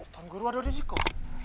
tuhan guru ada di sini kok